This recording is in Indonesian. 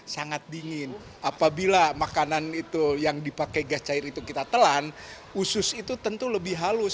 sangat dingin apabila makanan itu yang dipakai gas cair itu kita telan usus itu tentu lebih halus